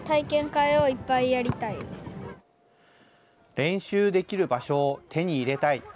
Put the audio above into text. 練習できる場所を手に入れたい。